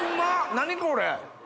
何これ。